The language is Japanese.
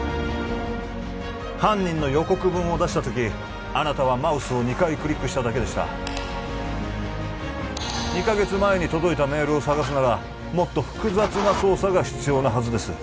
犯人の予告文を出した時あなたはマウスを２回クリックしただけでした２カ月前に届いたメールを捜すならもっと複雑な操作が必要なはずです